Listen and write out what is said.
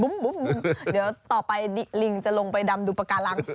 เดี๋ยวต่อไปลิงจะลงไปดำดูปากการัง